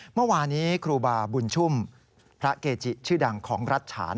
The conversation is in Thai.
เมื่อวานี้ครูบาบุญชุ่มพระเกจิชื่อดังของรัฐฉาน